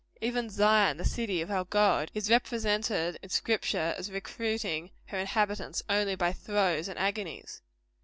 Even Zion, the city of our God, is represented in Scripture as recruiting her inhabitants only by throes and agonies.